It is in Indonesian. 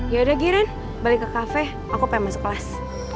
yaudah giran balik ke kafe aku pengen masuk kelas